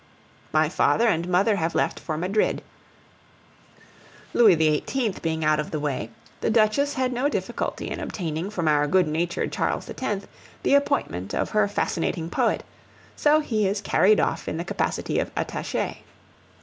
My father and mother have left for Madrid. Louis XVIII. being out of the way, the Duchess had no difficulty in obtaining from our good natured Charles X. the appointment of her fascinating poet; so he is carried off in the capacity of attache.